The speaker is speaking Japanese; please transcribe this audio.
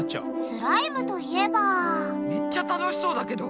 スライムといえばめっちゃ楽しそうだけど。